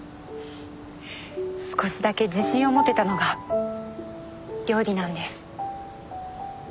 少しだけ自信を持てたのが料理なんです。